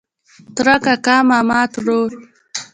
ترۀ کاکا ماما ترور